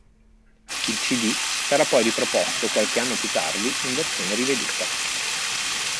Il cd sarà poi riproposto qualche anno più tardi in versione riveduta.